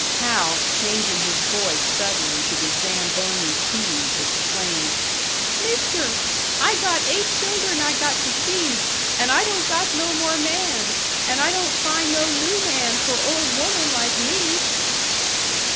Hal, changing his voice suddenly to the Zamboni key, exclaimed: "Mister, I got eight children I got to feed, and I don't got no more man, and I don't find no new man for old woman like me!"